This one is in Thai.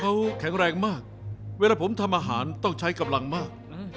เขาแข็งแรงมากเวลาผมทำอาหารต้องใช้กำลังมาก